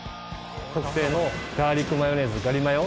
特製のガーリックマヨネーズガリマヨ